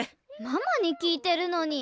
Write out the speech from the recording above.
ママに聞いてるのに。